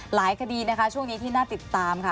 คดีนะคะช่วงนี้ที่น่าติดตามค่ะ